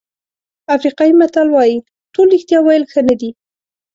افریقایي متل وایي ټول رښتیا ویل ښه نه دي.